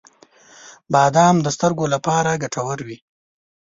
• بادام د سترګو لپاره ګټور وي.